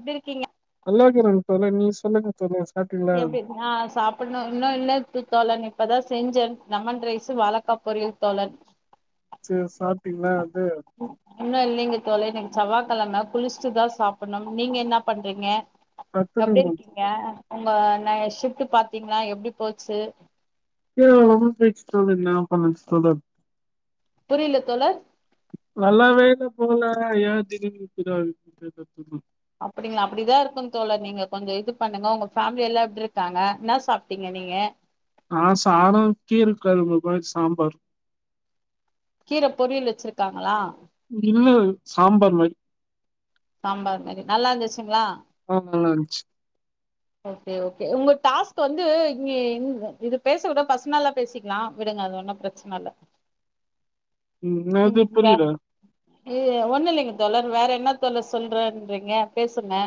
எப்டி இருக்கீங்க [unintelligible] எப்படி ஆ சாப்பிடணும் இன்னும் இல்ல தோழனே இப்பதான் செஞ்சேன் லெமன் ரைசு வாழக்கா பொரியல் தோழர் சேரி சாப் இன்னும் இல்லைங்க தோழே செவ்வாய் கிழமை குளிச்சட்டுதான் சாப்பிடணும் நீங்க என்ன பண்றீங்க எப்டி பத்துன்னு இருக்கீங்க உங்க நா ஷிபிட் விட்டு பாத்தீங்களா எப்டி போச்சு [unintelligible] புரியல தோழர் நல்லாவே [unintelligible] அப்படிங்களா அப்படிதான் இருக்குன்னு தோழர் நீங்க கொஞ்ச இது பண்ணுங்க உங்க ஃபேமிலி எல்லாம் எப்டி இருக்காங்க என்ன சாப்பிட்டீங்க நீங்க ஆஹ் சாதம் கீர கொழம்பு மாரிசாம்பார் கீரை பொரியல் வச்சிருக்காங்களா இல்ல சாம்பார் மாரி சாம்பார் மாரி நல்லா இருந்துச்சுங்களா ஆஹ் நல்லாந்துச்சு ஓகே ஓகே உங்க டாஸ்க் வந்து இங்க இது பேச கூட பர்சனல்லா பேசிக்கலாம் விடுங்க அது ஒன்னும் பிரச்சனை இல்ல உம் என்னாது புரியல ஒண்ணும் இல்லைங்க தோழர் வேற என்ன தோழர் சொல்றேன்றீங்க பேசுங்க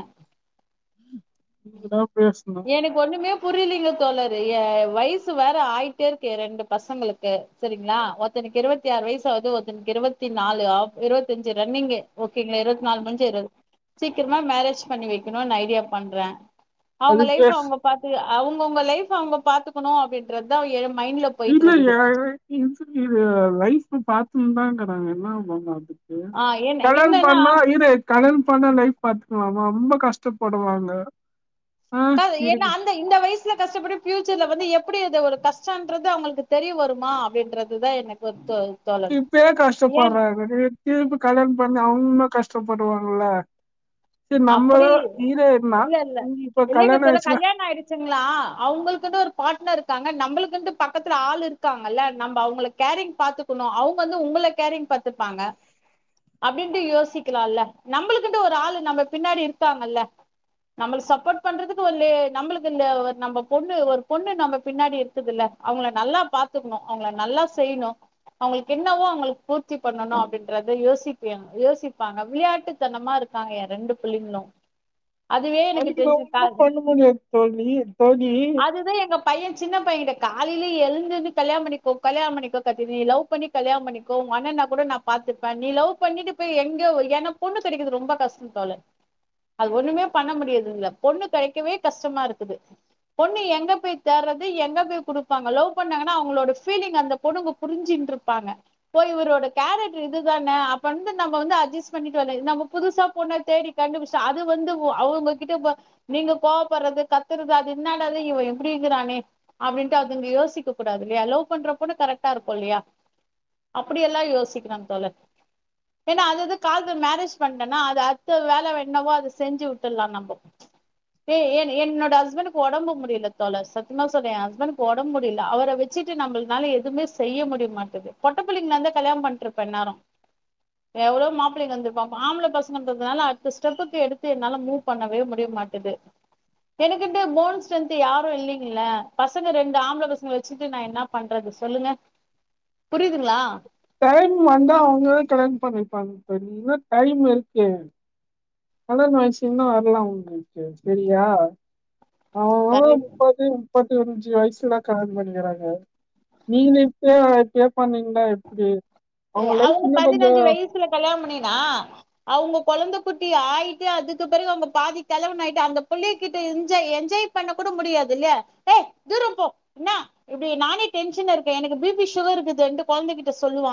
நீங்கதான் பேசனு புரியலிங்க தோழரு வயசு வேற ஆயிட்டே இருக்கு ரெண்டு பசங்களுக்கு சரிங்களா ஒருத்தனுக்கு இருபத்தி ஆறு வயசாவது ஒருத்தனுக்கு இருபத்தி நாலு ஆ இருபத்த அஞ்சு ரன்னிங் ஓகேங்களா இருபத்தி நாலு முடிஞ்சு இருது சீக்கிரமா மேரேஜ் பண்ணி வைக்கணும்னு ஐடியா பண்றேன் அவங்க அதுக்கு லைஃப் அவங்க பாத்து அவுங்கவுங்க லைஃப் அவங்க பாத்துக்கணும் அப்படின்றதுதான் என் [unintelligible] [unintelligible] ஆ என்ன கலாணம் என்னன்னா பண்ணா இது கடன் பண்ண லைஃப் பாத்துக்கலாம ரொம்ப கஷ்டப்படுவாங்க ஆ, ஏன்னா இருக்கு அந்த இந்த வயசுல கஷ்டப்படும் பியூச்சர்ல வந்து எப்டி இது ஒரு கஷ்டம்ன்றது அவங்களுக்கு தெரிய வருமா அப்டின்றது தான் எனக்கு வந்து இப்ப ஏன் கஷ்டப்படுற [unintelligible] கல்யாண பண்ணி அவங்களும் கஷ்டப்படுவாங்கல அப்டி இல்ல இல்ல இப்ப இல்லைங்க தோழர் கல்யாணம் சொல்ல ஆயிடுச்சுன்னா கல்யாணம் ஆயிடுச்சுங்களா அவுங்களுக்குனு ஒரு பார்ட் னர் இருக்காங்க நம்மளுக்குன்டு பக்கத்துல ஆள் இருக்காங்கல்ல நம்ம அவுங்களை கேரிங் பாத்துக்குனும் அவுங்க வந்து உங்கள கேரிங் பாத்துப்பாங்க அப்டின்டு யோசிக்கலாம்ல நம்மளுகுன்டு ஒரு ஆளு நம்ம பின்னாடி இருக்காங்கல்ல நம்மளுக்கு சப்போர்ட் பண்றதுக்கு ஒரு நம்மளுக்கு இ நம்ம பொண்ணு ஒரு பொண்ணு நம்ம பின்னாடி இருக்குதுல்ல அவங்க நல்லா பாத்துக்கணும் அவங்க நல்லா செய்யணும் அவங்களுக்கு என்னவோ அவங்களுக்கு பூர்த்தி பண்ணணும் அப்டின்றத யோசிப்ப யோசிப்பாங்க விளையாட்டுத்தனமா இருக்காங்க என் ரெண்டு புள்ளங்கலும் அதுக்கு நான் ஒண்ணு பண்ண முடியாது தோழி தோழி காலையிலயே எழுந்துருந்து கல்யணம் பண்ணிக்கோ கல்யணம் பண்ணிக்கோ கத்து நீ லவ் பண்ணி கல்யண பண்ணிக்கோ அண்ணனா கூட நான் பா்த்தப்பேன் நீ லவ் பண்ணிட்டு போய் எங்க என பொண்ணு கிடைக்கது ரொம்ப கஷ்டம் தோழர் அது ஒன்னுமோ பண்ண முடியதுல்ல பொண்ணு கிடைக்கவே கஷ்டமா இருக்குது பொண்ணு எங்க போய் தேடுறது எங்க போய் குடுப்பாங்க லவ் பண்ணாங்கன்னா அவங்களோட ஃப்லிங் அந்த பொண்ணுங்க புரிஞ்சட்டு இருப்பாங்க போய் இவரோட கேரக்டர் இதுதானே அப்ப வந்து நம்ம வந்து அட்ஜஸ் பண்ணிக்க நம்ம புதுசா பொண்ண தேடி அது வந்து அவங்க கிட்ட நீங்க கோவப்படுறது கத்துறது அது என்னடா இது இவன் இப்டி இருக்கிறானே அப்பன்டு யோசிக்க கூடாது லவ் பண்ற பெண்ணு கரொட்ட இருக்கும் இல்லையா அப்டியெல்லாம் யோசிக்கிராங்க தோழர் ஏன அது அது காலத்தில மோரோஜ் பண்ணிடங்கன அடுத்த வேலை என்னவோ அத செஞ்சு விட்டுலாம் நம்போ என்னோட ஹஸ்பன்டுக்கு உடம்பு முடியல தோழர் சத்தியமா சொல்றன் ஹஸ்பண்டுகு உடம்பு முடியல அவரை வச்சுட்டு நம்மளால எதுவுமே செய்ய முடிய மாட்டது பொட்ட புள்ளைங்கல இருதா கல்யாணம் பண்ணட்டு இருப்பன் இன்னேநேரம் எவ்ளோ மாப்பிள்ளைங்க வந்துருப்பாங்க ஆம்பள பசங்கன்ரதுனல ஸ்டெப்புக்கு எடுத்து என்னால மூவ் பண்ணவே முடிய மாட்டேது எனக்க போன் ஸ்டரென்த் யாரும் இல்லைங்கள பசங்க ரெண்டு ஆம்பள பசங்க வச்சுட்டு நான் என்ன பண்றது சொல்லுங்க புரியுதுங்களா டைம் வந்தா அவங்களோ கல்யாணம் பண்ணிப்பாங்க இன்னம் டைம் இருக்கு கல்யாண வயசு இன்னும் வரல அவங்களுக்கு சரியா கரை [unintelligible] முப்பத்த அஞ்சு வயசுல கல்யாணம்பண்ணிக்கறாங்க நீங்க இப்பயே பண்ணீங்கன்னா எப்டி ம்ம் அவங்க பதினஞ்சு வயசுல கல்யாண பண்ணேனா அவங்க குழந்தை குட்டி ஆயிட்டு அதுக்கு அப்புறம் அவங்க பாதி கோழவன் ஆயிட்டு அந்தபுள்ளகிட்டா எஞ்சாய் எஞ்சாய் பண்ண கூட முடியாதுல்லைய ஏய் தூரம் பே என்ன நனோ டேன்சன்ல இருக்கோன் எனக்கு பி பி சுகர் இருக்குது கொழந்தைகிட்ட சொல்லுவா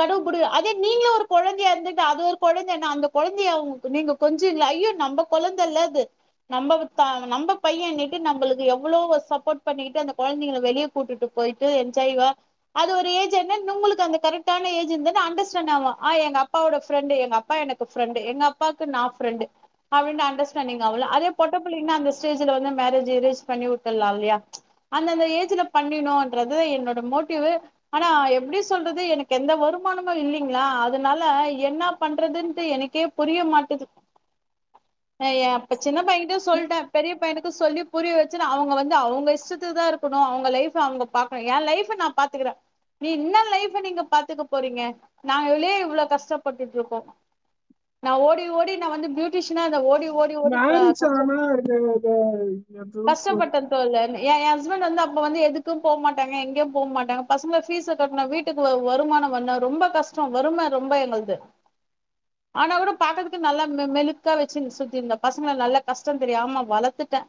கடவுபிடி அதே நீங்களும் ஒரு குழந்தையா இருந்துட்டு அது ஒரு குழந்தையனா அந்த குழந்தையங்க நீங்க கொஞ்சம் இ ஐயோ நம்ம குழந்தை இல்லது நம்ம நம்ம பையன்ண்ணட்டு நம்மளுக்கு எவ்வளவு சப்போர்ட் பண்ணிட்டு அந்த குழந்தைங்க வெளியே கூட்டுட்டு போயிட்டு என்ஜாய்வா அது ஒரு ஏஜ் என்ன உங்களுக்கு அந்த கரெக்டான ஏஜ் இருன்ன அண்டர்ஸ்டாண்ட் ஆவலம் ஆ எங்க அப்பாவோட ஃப்ரெண்டு எங்க அப்பா எனக்கு ஃப்ரெண்டு எங்க அப்பாக்கு நான் ஃப்ரெண்டு அப்படனு அண்டர்ஸ்டாண்டிங் ஆகலாம் அதே பொட்ட பிள்ளைன்னா அந்த ஸ்டேஜ்ல வந்து மேரேஜ் ஏரேஞ் பண்ணி விட்டுடலாம் இல்லையா அந்த அந்த ஏஜ்ல பண்ணன்றதுத என்னோட மோட்டிவ் ஆனா எப்டி சொல்றது எனக்கு எந்த வருமானமும் இல்லைங்களா அதனால என்ன பண்றதுன்டு எனக்கே புரிய மாட்டுது எ பைய சின்ன பையனிட்ட சொல்லிட்டேன் பெரிய பையன் சொல்லி புரிய வச்சுன்னா அவங்க வந்து அவங்க இஷ்டத்து தான் இருக்கனும் அவங்க லைஃப் அவங்க பாக்கணும் என் லைஃப் நான் பாத்துக்கிறேன் நீ என்ன லைப் நீங்க பாத்துக்க போறீங்க நாங்கே இவ்வளவு கஷ்டப்பட்டுட்டு இருக்கோம் நான் ஓடி ஓடி நான் வந்து பியூட்டிஷனா ஓடி ஓடி ஓடி க மேரிஜ் கஷ்ட ஆனா இத இத [unintelligible] என் ஹஸ்பண்ட் வந்து அப்ப வந்து எதுக்கும் போக மாட்டாங்க எங்கேயும் போக மாட்டாங்க பசங்க பபீஸ் கட்டும் வீட்டுக்கு வருமானம் வருனு ரொம்ப கஷ்டம் வருறுமை ரொம்ப எங்களது ஆனா கூட பாக்கறதுக்கு நல்லா மெழுக்கா வச்சு சுத்தி இருந்தேன் பசங்க நல்ல கஷ்டம் தெரியமா வளர்த்துட்டேன்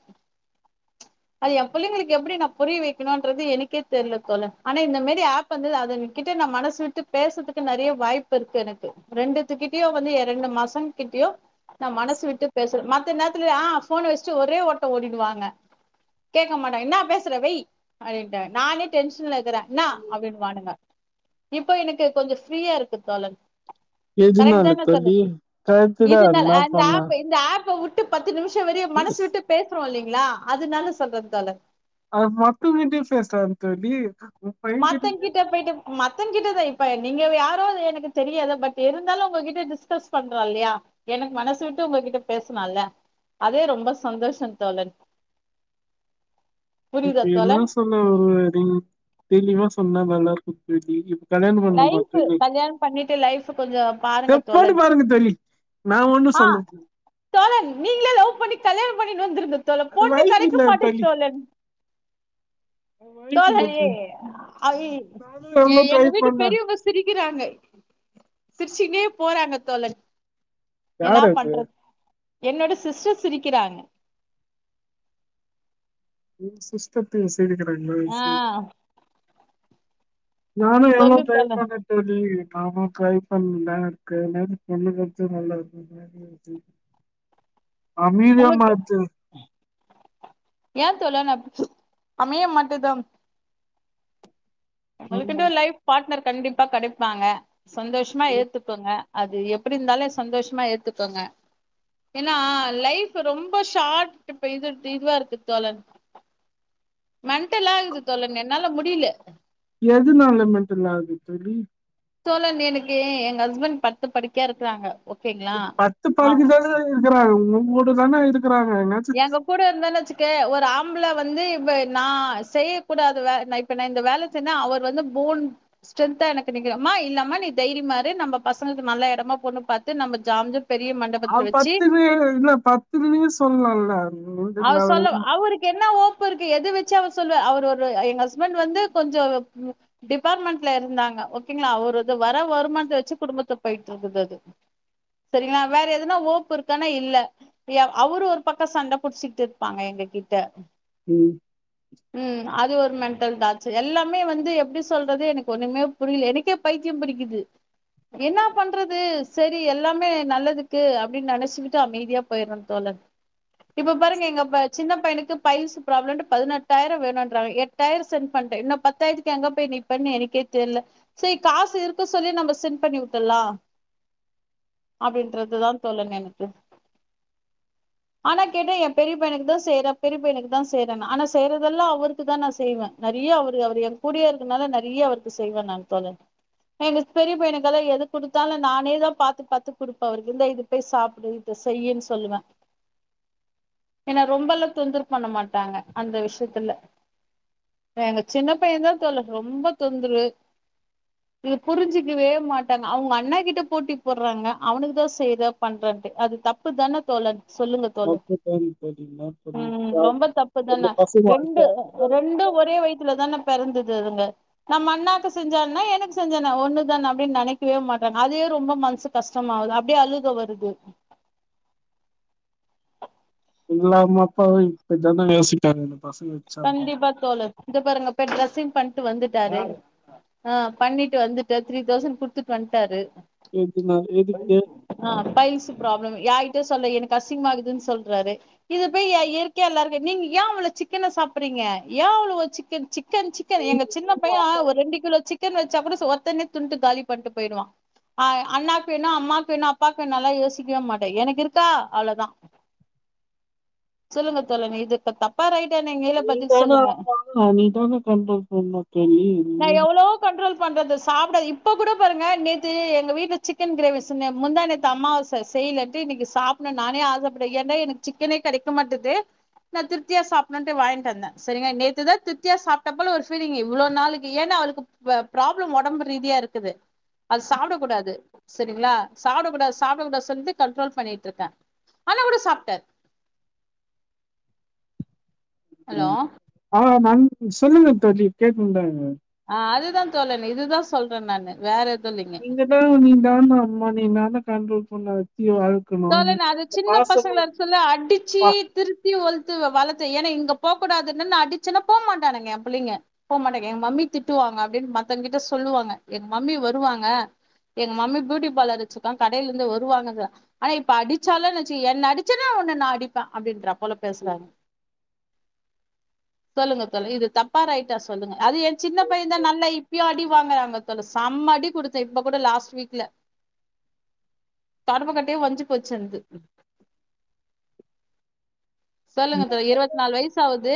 அது என் பிள்ளைங்களுக்கு எப்டி நான் புரிய வைக்கணும்ன்றது எனக்கே தெரியல தோழர் ஆனா இந்த மாரி ஆப் வந்துது அதன் கிட்ட நான் மனசு விட்டு பேசுறதுக்கு நிறைய வாய்ப்பு இருக்கு எனக்கு ரெண்டுத்துக்கிட்டயோ வந்து ரெண்டு பாசகிட்டயோ நான் மனசு விட்டு பேசுறேன் மற்ற நேரத்துல ஆ போபனை வச்சுட்டு ஒரே ஓட்டம் ஓடிடுவாங்க கேட்க மாட்டேங்க என்னான் பேசுற வெய் அப்படின்ங்க நானே டென்ஷன்ல இரு இப்ப எனக்கு கொஞ்சம் ஃப்ரீயா இருக்கு தோழன் கரெக்ட் எதுனால தான தோழி தோழன் டயத்துக்கு அதன்னா பண்ணானே பத்துநிமிஷம் வர மனசு விட்டு பேசுறோம் இல்லைங்க களா அதுனால சொல்றன் தோழர் அது பசங்க கிட்டயும் பேசலாம் தோழி பையன்கிட்ட மத்தன் பேசு கிட்ட போயிட்டு மத்தன் கிட்டதான் இப்ப நீங்க யாரோ எனக்கு தெரியாது பட் இருந்தாலும் உங்ககிட்ட டிஸ்கஸ் பண்றா இல்லையா எனக்கு மனசு விட்டு உங்ககிட்ட பேசலாம்ல அதே ரொம்ப சந்தோஷம் தோழர் இப்ப என்ன சொல்ல வர்ற நீ தெளிவா சொன்னா நல்லாருக்கும் தோழி கல்யாண பண்ணுமா லைஃப் தோழி கல்யாணம் பண்ணிட்டு லைஃப் கொஞ்சோ பாருங்க செப் போட்டு தோழன் பாருங்க தோழி நா ஒண்ணு ஆஹ் சொல்ல தோழன் நீங்களே லவ் பண்ணி கல்யாணம் பண்ணி வந்துருக தோழன் அது பொண்ணு வைஃப் கடைக்க இல்ல மாட்டேது தோழி தோழன் அது வைஃப் இல்ல தோழன் தோழி நானும் ஏ எவ்வளோ ட்ரை எங்க வீட்டு பண்ணேன் பெரியவங்க சிரிக்கிறாங்க சிரிச்சுட்டேன் போறாங்க தோழன் என்னா யார் அது பண்றது என்னோட சிஸ்டர் சிரிக்கிறாங்க சிஸ்ட பேச இதுக்கு ரெண்டு ஆ வயசு நானு எவ்ளோ சொல்லு ட்ரை தோழன் பண்றேன் தோழி ஆமா ட்ரைப் பண்ணல்லாம் இருக்கு என்ன பொண்ணு நல்லா இருக்கு மா அப்டின்ற உங்களுக்கு மாரி ஏன் தோழன் அமைய மாட்டுதான் ஆமா, உங்கக்கென ஒரு லைஃப் பார்ட்னர் கடைக்க எப்ப கிடைப்பாங்க சந்தோஷமா ஆமா. ஏத்துக்கோங்க அது எப்படி இருந்தாலே சந்தோஷமா ஏத்துக்கோங்க ஏன்னா லைஃப் ரொம்ப ஷார்ட் இப்ப இது இதுவா இருக்கு தோழன் மெண்டல் ஆகுது தோழன் என்னால முடியல எதனால மெண்ட்ல் ஆகுது தோழி தோழன் எனக்கு எங்க ஹஸ்பண்ட் படுத்த படுக்கையா இருக்கிறாங்க பத்து பதினைந்து நாள் தா இருக்கிறாங்கன்னும் உங்களுக்கு வேணா இதுக் எங்க கூட இருந்தன்னு வச்சுக்கேன் ஒரு ஆம் ஆம்பள வந்து இ நான் செய்யக்கூடாது வே ஆஇப்ப இந்த வேலை செய் அவர் வந்து ஃபோன் ஸ்ட்ரென்த்தா எனக்கு நிக்கோமா இல்லாம நீ தைரியமாறு நம்ம பசங்களுக்கு நல்ல இடமா பொண்ணு பாத்து நம்ம ஜாப் அவ பத்துன என்ன பத்து நிமிசம் சொல்லலாம்ல அவரு சொல்ல அவருக்கு என்ன ஓ இருக்கு எத வச்சு அவ சொல்லுவ அவர் ஒரு எங்க ஹஸ்பண்ட் வந்து கொஞ்சோ டிபார்ட்மெண்ட் இருந்தாங்க ஓக்கேங்களா அவர் வர வருமானத்த வச்சு குடும்பத்த போயட்டு இருக்கு சரிங்களா வேற எதுன ஓப்பு இருக்கா இல்ல அவரு ஒரு பக்கம் சண்ட குடிச்சிட்டு இருப்பாங்க எங்க கிட்ட ம், உம் அது ஒரு மெண்டல் டாச்சர் எல்லாமே வந்து எப்படி சொல்றது எனக்கு ஒண்ணுமே புரியல எனக்கே பைத்தியம் பிடிக்குது என்ன பண்றது சரி எல்லாமே நல்லதுக்கு அப்படின்னு நெனைச்சுக்கிட்டு அமைதியா போயிடுறேன் தோழன் இப்ப பாருங்க எங்க சின்ன பையனுக்கு பைல்ஸ் ப்ராப்ளம்னு பதினெட்டாயிரம் வேணும்ன்றாங்க எட்டாயிரம் சென்ட் பண்டேன் இன்னும் பத்தாயிரத்துக்கு எங்க போயி நிப்பேன் எனக்கே தெரியல சரி காசு இருக்கு சொல்லி நம்ம செண்ட் பண்ணி விட்டலாம் அப்படின்றதுதான் தோழன் எனக்கு ஆனா கேட்டேன் என் பெரிய பையனுக்கு தான் செய்றேன் பெரிய பையனுக்கு தான் செய்றேன் ஆனா செய்யறதெல்லாம் அவருக்கு தான் நான் செய்வேன் நிறைய அவரு அவர் என் கூடிய இருக்கனால நிறைய அவருக்கு செய்வேன் நான் தோழன் எங்க பெரிய பையனுக்கெல்லாம் எது குடுத்தாலும் நானே தான் பாத்து பாத்து குடுப்பேன் அவருக்கு இருந்தான் இது போய் சாப்பிடு இத செய்யன்னு சொல்லுவேன் ஏன்ன ரொம்பல்லாம் தொந்தர பண்ண மாட்டாங்க அந்த விஷயத்துல எங்க சின்ன பையன் தான் தோழன் ரொம்ப தொந்தரவு இது புரிஞ்சுக்கவே மாட்டாங்க அவங்க அண்ணா கிட்ட போட்டி போடுறாங்க அவனுக்கு தான் செய்தா பண்றன்ட்டு அது தப்பு தான தோழன் சொல்லு தப்பு தான் தோழி என்ன பண்ணி உம் ரொம்ப தப்பு என்ன தான பசங்க வாழ்க்கை ரெண்டு அப்படிதான் இருக்கு. ரெண்டும் ஒரே வயத்துல தான பிறந்ததுங்க நம்ம அண்ணாக்கு செஞ்சனா எனக்கு செஞ்ச ஒண்ணுதான அப்படின்னு நினைக்கவே மாட்டாங்க அதே ரொம்ப மனசு கஷ்டமா ஆகுது அப்படியே அழுக வருது இல்ல அம்மா அப்பா இப்ப தான் யோசிக்காங்க பசங்க வச்சாலும் கண்டிப்பா தோழர் இத பாருங்க டிரெஸ்ஸிங் ப ட்டு வந்துட்டாரு ஆஹ் பண்ணிட்டு வந்துட்ட த்ரீ தௌவுசண்ட் குடுத்துட்டு வந்துட்டாரு எதுனா எதுக்கு ஆஹ் பைல்ஸ் ஃபிராப்ளம் ய சொல்ல எனக்கு அசிங்கமா இருக்கு துன்னு சொல்றாரு இது போய் இயற்கையா எல்லாருக்கு நீங்க ஏன் இவ்வளே சிக்க சிக்கன சாப்பிறீங்க எவ்ளவு சிக்கன் சிக்க சிக்கன் சிக்கன் நீ எங்க சின்ன நீங்க அம்மா பையன் ஒரு ரெண்டு கிலோ சிக்கன் வச்ச கூட ஒருத்தன துண்டுட்டு காலி பண்ணிட்டு போயிடுவான் அண்ணாக்கு வேணும் அம்மாக்கு வேணும் அப்பாக்கு வேணும்ல்லா யோசிக்கவே மாட்டேன் எனக்கு இருக்கா அவ்ளவுதான் சொல்லுங்க தோழர் இது தப்பா ரைட் நீதானே ஆமா நீதானே கண்ட்ரோல் பண்ணனும் தோழி என்ன பண்றது சாப்பிட இப்ப கூட பாருங்க நேத்து எங்க வீட்ல சிக்கன் கிரேவி செஞ்சாங்க முந்தா நேத்து அம்மாவாசை செய்யலன்ட்டு இன்னைக்கு சாப்பிட நான் ஆசைப்பட்டேன் ஏன்னா எனக்கு சிக்கனே கிடைக்கமாட்டது நான் திருப்தியா சாப்பிட்டேன் நான் திருப்தியா சாப்பிடேன் வாங்கிட்டு வந்தேன் சரிங்களா நேத்து தான் திருப்தியா சாப்பிட்ட மாதிரி இருந்தது ஏன்னா அவளுக்கு உடம்பு ரீதியா ப்ராப்ளம் இருக்கு சாப்பிடக்கூடாது சரிங்களா சாப்பிடக்கூடாது சாப்பிடக்கூடாது கண்ட்ரோல் பண்ணிட்டு இருக்க ஆனாலும் சாப்பிட்டேன் ம் ஆஹ் நான் சொல்லுக பிரேதிப் கேக்குதுல அதுதான் தோழர் இதுதான் சொல்ற நானு வேற எது இல்லைங்க நீங்க தான் நீ தான அம்மா நீ தான கண்ட்ரோல் சொன்னான் தோழன் அது சின்ன பசங்க இருக்குல சொல்ல அடிச்சு பா- திருத்தி ஒ பெத்து வளத்த என இங்க போக கூடாது அடிச்சனா போக மாட்டாங்க என் புள்ளைங்க போக மாட்டாங்க என் மம்மி திட்டுவாங்க அப்படின்னு மத்தவங்க கிட்ட சொல்லுவாங்க என் மம்மி வருவாங்க என் மம்மி பியூட்டி பார்லர் வச்சிருக்காங்க கடையில இருந்து வருவாங்க ஆனா இப்ப அடிச்சாலும் வெச்சுக்கோங்க என்ன அடிச்சன்னா உன்னு நான் அடிப்பேன் அப்படின்ற போல பேசுறாங்க சொல்லுங்க சொல்லுங்க இது தப்பா ரைட்டா சொல்லுங்க அது என் சின்ன பையன் தான் இப்பயும் நல்லா அடி வாங்கறாங்க செம அடி கொடுத்தேன் இப்ப கூட லாஸ் வீக்ல தொடப்பக்கட்ட அப்படியே ஒஞ்சி போச்சு எனுது சொல்லுங்க தோழர் இருபத்தி நாலு வயசு ஆகுது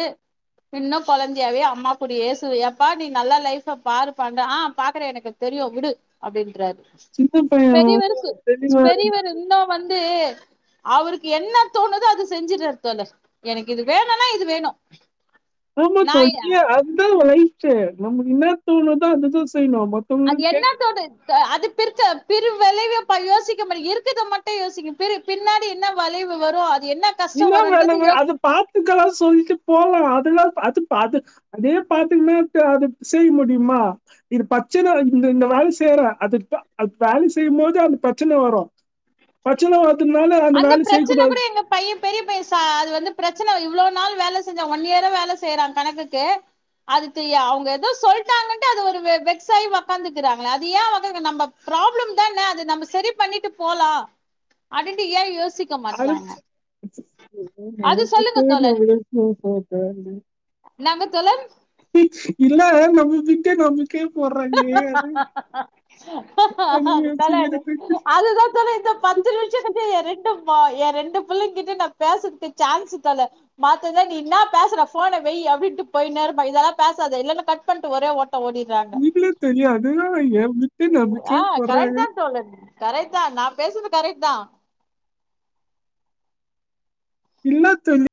இன்னும் கெழந்தையாவே அம்மா கூடி சு எப்பா நீ நல்லா லைப் பாருப்பா ஆஹ் நான் பாக்குறேன் எனக்கு தெரியும் விடு அப்படின்றாரு சின்ன பையன் பெரியவர் வந்து சோ தெளிவா இருந்தா பெரியவர் இன்னும் வந்து அவருக்கு என்ன தோணுதோ அதை செஞ்சிறாரு தோழர் எனக்கு இது வேணும்னா இது வேணும் ஆமா தோழி அதான் லைப் நமக்கு என்ன தோணுதோ அதுதான் சோ அது என்னத்தோடு ஆ அது பிறக்க பிற விளைவு யோசிக்க முடிய இருக்குத மட்டும் யோசிக்கக்கும் பின்னாடி என்ன விளைவு வரும் அது கஷ்ட என்ன வேண வருன்றது யோசி அந்த பாட்டு தான் சொல்லிட்டு போகலாம் அதே பார்த்தங்கா பாத்துக்குனே அப்படியே செய்ய முடியுமா பிரச்சனை வேலை செய்றது வேலை செய்யும்போது அந்த பிரச்சனை வரும் வ இதுக்கு மேல அந்த வேலை செய்யக்கூடாது பெரியபையன் ச அது வந்து பிரச்சனை இவ்வளவு நாள் வேலை செஞ்சா ஒன் இயரா வேலை செய்றா கணக்குக்கு அப்படியா அது அவங்க சொல்லிட்டாங்கன்னு அது ஒரு வெக்ஸ் ஆகி உக்காந்துக்கிறாங்களே அது ஏன் அவங்க நமக்கு பிராப்ளம் தான் அது நம்ம சரி பண்ணிட்டு போலாம் அப்படின்னு ஏ யோசிக் இருக்க மாட்றாங்க அது சொல்லுங்க தோழன் [unintelligible] நாங்க தோழன் இதுல நம்ம விட்டே நம்ம அது தல து யோசிக்கிறது அதுதா தல இந்த பத்து நிமிஷத்துக்கு ஏ ரெண்டு ஏ ரெண்டு புள்ளைங் கிட்டயு நா பேசறதுக் சான்ஸ் தல மாத்துனா நீ இன்னா பேசுற ஃபோன வெய் அபின்ட்டு போயினே இருப்பா இதெல்லா பேசாத இல்லனா கட் பண்ட்டு ஒரே ஓட்ட ஓடிறா இல்ல தெரியு அதுதா ஏ வித்து ஆ நம்பிக்கயா கரெக்ட் போட்றாரு தா தோழர் கரெக்ட் தா நா பேசுறது கரெக்ட் தா இல்லத்தோழி